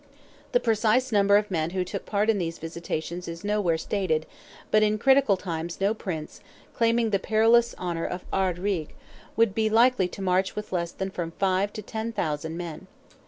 The precise number of men who took part in these visitations is nowhere stated, but in critical times no prince, claiming the perilous honour of Ard Righ, would be likely to march with less than from five to ten thousand men.